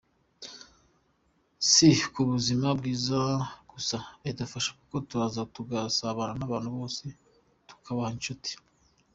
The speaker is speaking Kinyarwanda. Si ku buzima bwiza gusa idufasha kuko turaza tugasabana n’abantu bose tukaba inshuti.